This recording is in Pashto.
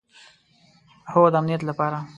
هو، د امنیت لپاره